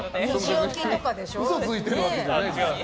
別に嘘ついてるわけじゃない。